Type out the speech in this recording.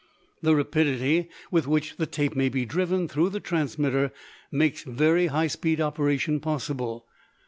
The rapidity with which the tape may be driven through the transmitter makes very high speed operation possible.